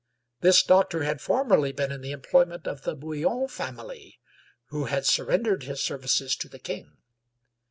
This doctor had formerly been in the employment of the Bouillon fam ily, who had surrendered his services to the king.